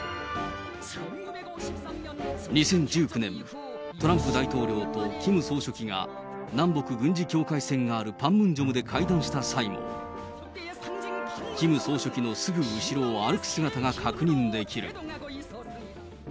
２０１９年、トランプ大統領とキム総書記が、南北軍事境界線があるパンムンジョムで会談した際も、キム総書記のすぐ後ろを歩く姿が確認できる。